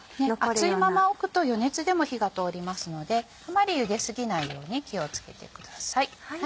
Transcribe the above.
熱いままおくと余熱でも火が通りますのであまり茹で過ぎないように気を付けてください。